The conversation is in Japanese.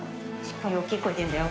大っきい声で言うんだよ。